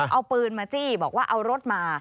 เอาปืนมาจี้บอกว่าเอารถมา